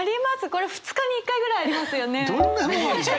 これ２日に一回ぐらいありますよね？